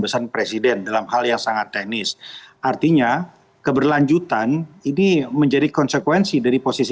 pesan presiden dalam hal yang sangat teknis artinya keberlanjutan ini menjadi konsekuensi dari posisi